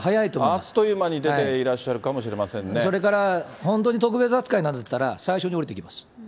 あっという間に出ていらっしそれから、本当に特別扱いなんだったら最初に降りてきます。